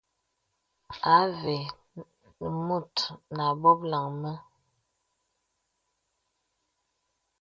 Avə mùt nə à bɔlaŋ mə.